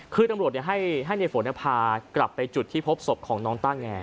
คือตำรวจให้ในฝนพากลับไปจุดที่พบศพของน้องต้าแง